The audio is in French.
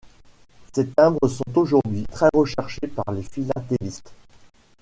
Ces timbres sont aujourd’hui très recherchés par les philatélistes.